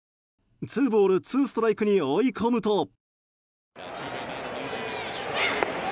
ツーボールツーストライクに追い込むと。